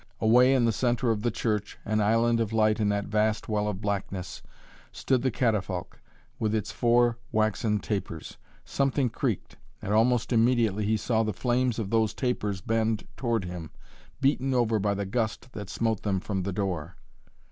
Away in the centre of the church, an island of light in that vast well of blackness, stood the catafalque with its four waxen tapers. Something creaked, and almost immediately he saw the flames of those tapers bend toward him, beaten over by the gust that smote them from the door.